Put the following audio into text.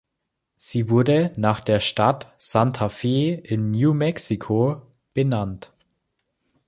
Sie wurde nach der Stadt Santa Fe in New Mexico benannt.